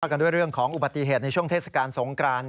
กันด้วยเรื่องของอุบัติเหตุในช่วงเทศกาลสงกราน